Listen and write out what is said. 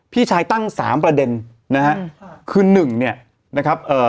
พี่ชายตั้งสามประเด็นนะฮะคือหนึ่งเนี่ยนะครับเอ่อ